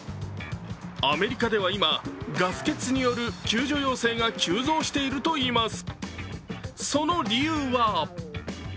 アメリカでは今ガス欠による救助要請が急増しているといいます。